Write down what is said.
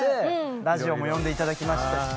ラジオも呼んでいただきましたし。